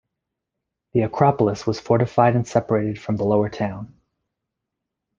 The acropolis was fortified and separated from the lower town.